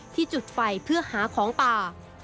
จุดไฟเพื่อหาของป่า